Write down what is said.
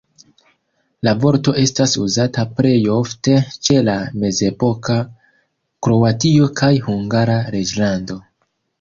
La vorto estas uzata plej ofte ĉe la mezepoka Kroatio kaj Hungara Reĝlando.